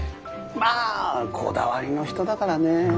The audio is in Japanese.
まあこだわりの人だからね。